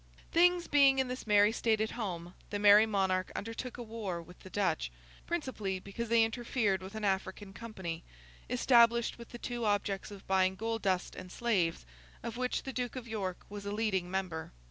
Things being in this merry state at home, the Merry Monarch undertook a war with the Dutch; principally because they interfered with an African company, established with the two objects of buying gold dust and slaves, of which the Duke of York was a leading member.